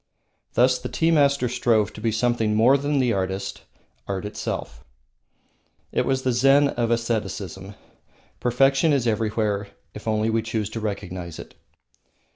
Thus the tea master strove to be something more than the artist, art itself. It was the Zen of aestheticism. Perfection is everywhere if we only choose to recognise it.